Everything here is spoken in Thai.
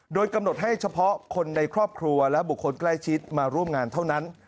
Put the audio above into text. โดยกำหนดให้เฉพาะคนในครอบครัวและบุคคลใกล้ชิดมาร่วมงานเท่านั้น